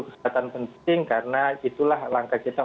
kesehatan penting karena itulah langkah kita